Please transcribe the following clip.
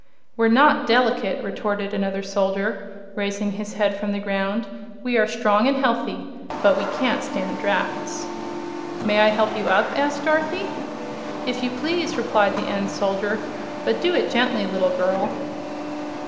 "We're not delicate!" retorted another soldier, raising his head from the ground. "We are strong and healthy; but we can't stand draughts." "May I help you up?" asked Dorothy. "If you please," replied the end soldier. "But do it gently, little girl."